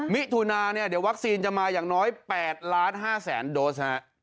มิถุนาเดี๋ยววัคซีนจะมาอย่างน้อย๘๕ล้านโดส